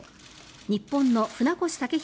日本の船越健裕